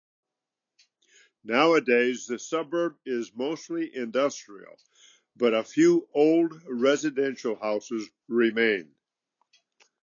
Nowadays the suburb is mostly industrial but a few old residential houses remain.